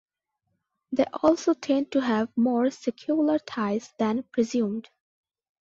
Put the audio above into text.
They also tend to have more secular ties than presumed.